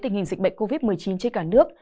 tình hình dịch bệnh covid một mươi chín trên cả nước